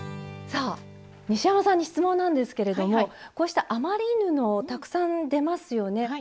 さあ西山さんに質問なんですけれどもこうした余り布たくさん出ますよね。